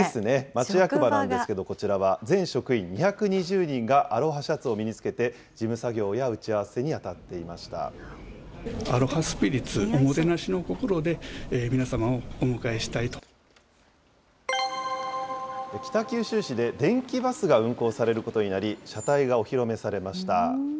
町役場なんですけれども、こちらは、全職員２２０人が、アロハシャツを身につけて、事務作業や打ち合わせに当たって北九州市で電気バスが運行されることになり、車体がお披露目されました。